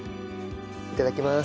いただきます。